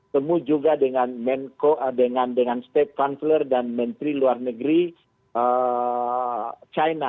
temu juga dengan state counciler dan menteri luar negeri china